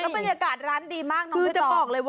ก็เป็นอากาศร้านดีมากน้องพี่ต้อง